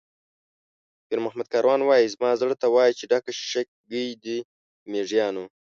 پیرمحمد کاروان وایي: "زما زړه ته وا چې ډکه شیشه ګۍ ده د مېږیانو".